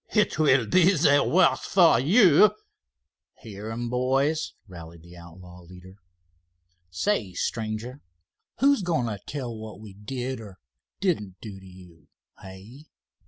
It will be the worse for you." "Hear him, boys," rallied the outlaw leader. "Say, stranger, who's going to tell what we did or didn't do to you, hey?"